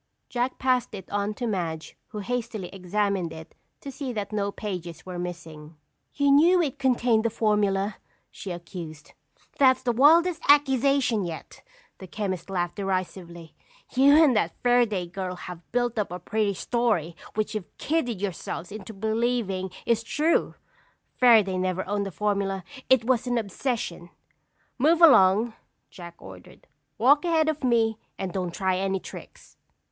Jack passed it on to Madge who hastily examined it to see that no pages were missing. "You knew it contained the formula," she accused. "That's the wildest accusation yet!" the chemist laughed derisively. "You and that Fairaday girl have built up a pretty story which you've kidded yourselves into believing is true. Fairaday never owned a formula. It was an obsession." "Move along!" Jack ordered. "Walk ahead of me and don't try any tricks."